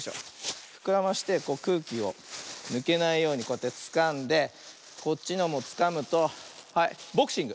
ふくらましてくうきをぬけないようにこうやってつかんでこっちのもつかむとはいボクシング。